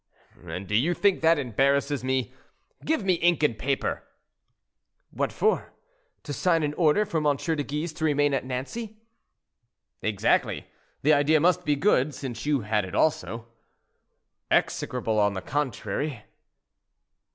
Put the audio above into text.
"And do you think that embarrasses me? Give me ink and paper." "What for? To sign an order for M. de Guise to remain at Nancy?" "Exactly; the idea must be good, since you had it also." "Execrable, on the contrary."